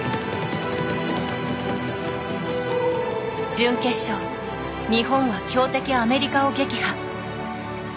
準決勝日本は強敵アメリカを撃破。